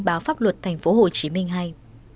báo pháp luật thành phố hồ chí minh hay